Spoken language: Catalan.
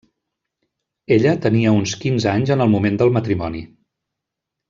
Ella tenia uns quinze anys en el moment del matrimoni.